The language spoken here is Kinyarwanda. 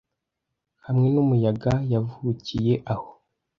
Hamwe n'Umuyaga yavukiye aho